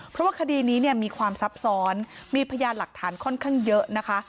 เพราะว่าคดีนี้เนี่ยมีความซับซ้อนมีพยานหลักฐานค่อนข้างเยอะนะคะ